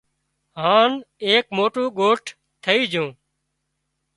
هانَ ايڪ موٽون ڳوٺ ٿئي جھون